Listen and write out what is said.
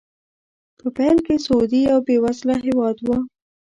په پیل کې سعودي یو بې وزله هېواد و.